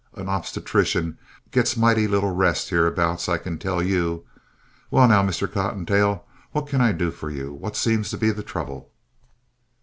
An obstetrician gets mighty little rest hereabouts, I can tell you. Well, now, Mr. Cottontail, what can I do for you? What seems to be the trouble?